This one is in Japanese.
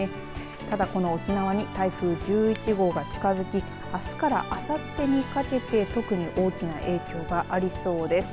ただこの沖縄に台風１１号が近づきあすからあさってにかけて特に大きな影響がありそうです。